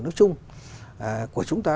nói chung của chúng ta